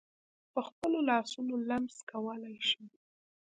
په خپلو لاسونو لمس کولای شم.